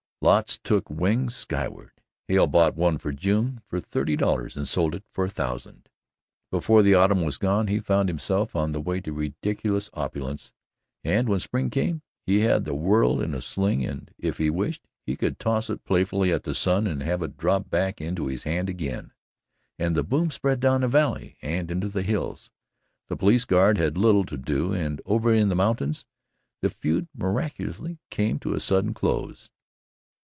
Lots took wings sky ward. Hale bought one for June for thirty dollars and sold it for a thousand. Before the autumn was gone, he found himself on the way to ridiculous opulence and, when spring came, he had the world in a sling and, if he wished, he could toss it playfully at the sun and have it drop back into his hand again. And the boom spread down the valley and into the hills. The police guard had little to do and, over in the mountains, the feud miraculously came to a sudden close.